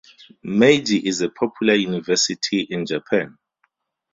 Meiji is a popular university in Japan.